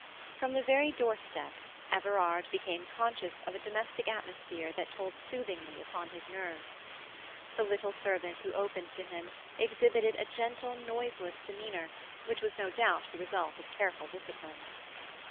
From the very doorstep Everard became conscious of a domestic atmosphere that told soothingly upon his nerves. The little servant who opened to him exhibited a gentle, noiseless demeanour which was no doubt the result of careful discipline.